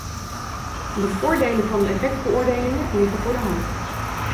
De voordelen van effectbeoordelingen liggen voor de hand.